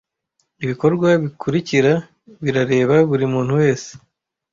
ibikorwa bikurikira birareba buri muntu wese